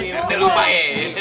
pak rt lupa ya